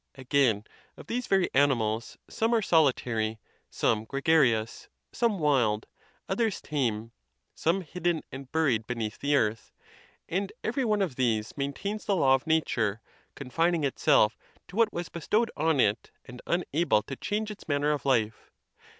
Again, of these very animals, some are solitary, some gre garious, some wild, others tame, some hidden and buried beneath the earth, and every one of these maintains the law of nature, confining itself to what was bestowed on it, and unable to change its manner of life.